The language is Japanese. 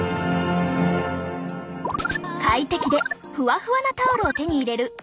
快適でふわふわなタオルを手に入れる３つの技。